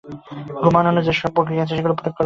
ঘুম আনানোর যে-সব প্রক্রিয়া আছে সেগুলি প্রয়োগ করবেন।